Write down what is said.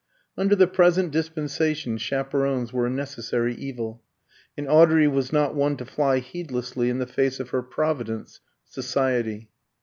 Under the present dispensation chaperons were a necessary evil; and Audrey was not one to fly heedlessly in the face of her Providence, Society.